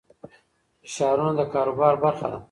فشارونه د کاروبار برخه ده.